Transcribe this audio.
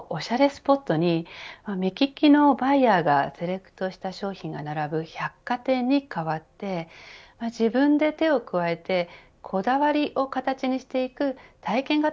スポットに目利きのバイヤーがセレクトした商品が並ぶ百貨店に変わって自分で手を加えてこだわりを形にしていく体験型